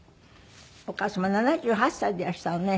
お母様７８歳でいらしたのね。